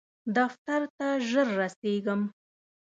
دفتر ته ژر رسیږم